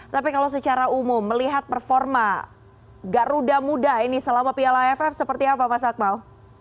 tapi kalau secara umum melihat performa garuda muda ini selama piala aff seperti apa mas akmal